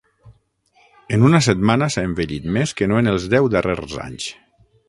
En una setmana s'ha envellit més que no en els deu darrers anys.